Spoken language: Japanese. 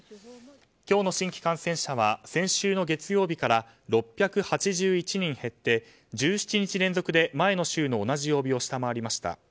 今日の新規感染者は先週の月曜日から６８１人減って１７日連続で前の週の同じ曜日を下回りました。